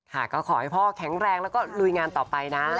ก็ขอให้พ่อแข็งแรงแล้วก็ลุยงานต่อไปนะ